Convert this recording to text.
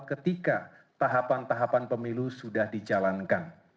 ketika tahapan tahapan pemilu sudah dijalankan